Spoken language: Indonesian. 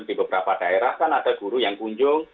di beberapa daerah kan ada guru yang kunjung